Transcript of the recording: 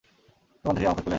দোকান থেকেই আমার খোঁজ পেলেন?